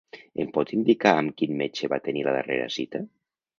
Em pot indicar amb quin metge va tenir la darrera cita?